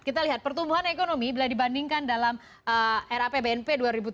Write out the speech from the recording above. kita lihat pertumbuhan ekonomi bila dibandingkan dalam rapbnp dua ribu tujuh belas